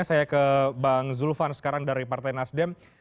saya ke bang zulfan sekarang dari partai nasdem